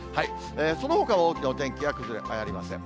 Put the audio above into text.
そのほか大きなお天気の崩れはありません。